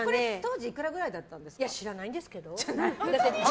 当時知らないんですけど。